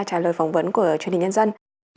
trả lời phỏng vấn của truyền hình nhân dân